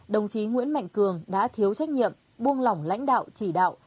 đồng chí nguyễn mạnh cường đã thiếu trách nhiệm buông lỏng lãnh đạo chỉ đạo